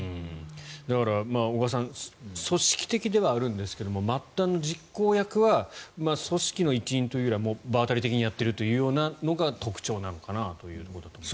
だから、小川さん組織的ではあるんですが末端、実行役は組織の一員というよりは場当たり的にやっているのが特徴なのかなということだと思います。